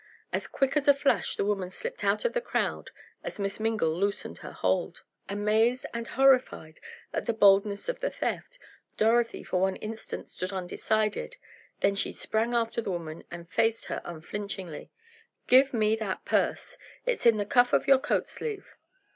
As quick as a flash the woman slipped out of the crowd, as Miss Mingle loosened her hold. Amazed and horrified at the boldness of the theft, Dorothy for one instant stood undecided, then she sprang after the woman and faced her unflinchingly: "Give me that purse! It's in the cuff of your coat sleeve!"